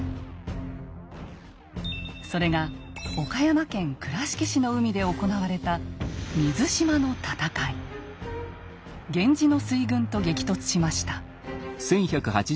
それが岡山県倉敷市の海で行われた源氏の水軍と激突しました。